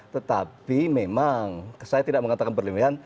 tetapi memang saya tidak mengatakan berlebihan